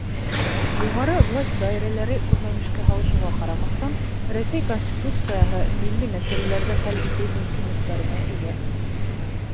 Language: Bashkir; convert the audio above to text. Юғары власть даирәләре күрмәмешкә һалышыуға ҡарамаҫтан, Рәсәй Конституцияһы милли мәсьәләләрҙе хәл итеү мөмкинлектәренә эйә.